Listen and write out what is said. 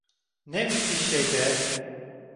Ne müthiş şey be!